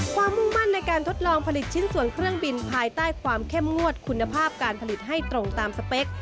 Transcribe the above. มุ่งมั่นในการทดลองผลิตชิ้นส่วนเครื่องบินภายใต้ความเข้มงวดคุณภาพการผลิตให้ตรงตามสเปค